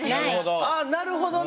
あなるほどね。